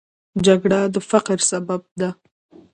جګړه د فقر سبب ده